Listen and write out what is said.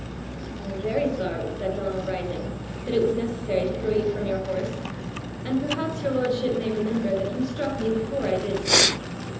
"I am very sorry," said Donal, rising, "that it was necessary to throw you from your horse; and perhaps your lordship may remember that you struck me before I did so."